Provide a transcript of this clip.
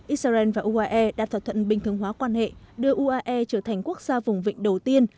israel và uae đã thỏa thuận bình thường hóa quan hệ đưa uae trở thành quốc gia vùng vịnh đầu tiên